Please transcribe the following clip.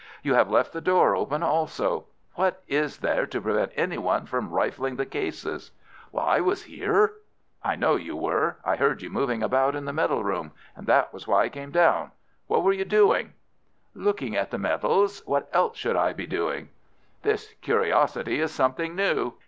You have left the door open also. What is there to prevent any one from rifling the cases?" "I was here." "I know you were. I heard you moving about in the medal room, and that was why I came down. What were you doing?" "Looking at the medals. What else should I be doing?" "This curiosity is something new."